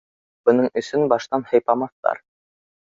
Бының өсөн баштан һыйпамаҫтар.